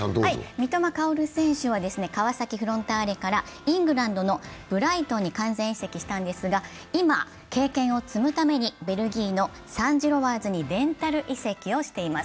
三笘薫選手は川崎フロンターレからイングランドのブライトンに完全移籍したんですが、今、経験を積むためにベルギーのサン＝ジロワーズにレンタル移籍をしています。